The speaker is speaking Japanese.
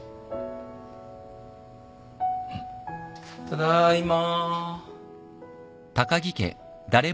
ただいま。